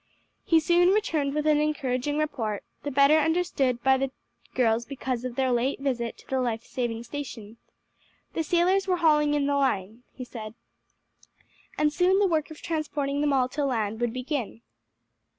He soon returned with an encouraging report, the better understood by the girls because of their late visit to the life saving station. "The sailors were hauling in the line," he said, and soon the work of transporting them all to land would begin.